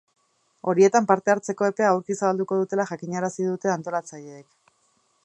Horietan parte hartzeko epea aurki zabalduko dutela jakinarazi dute antolatzaileek.